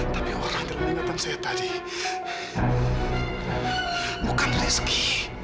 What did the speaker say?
tapi orang yang ingatan saya tadi bukan rizky